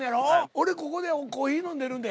俺ここでコーヒー飲んでるんで。